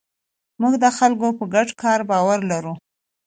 موږ د خلکو په ګډ کار باور لرو.